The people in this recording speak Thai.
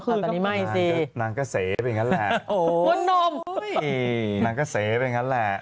อู๊ยอยุ่ง็ต้องนิดนึงเขาคืนไปงานมา